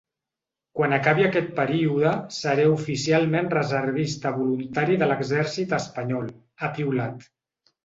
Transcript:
Quan acabi aquest període seré oficialment reservista voluntari de l’exèrcit espanyol, ha piulat.